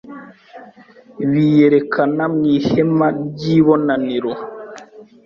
biyerekana mu ihema ry ibonaniro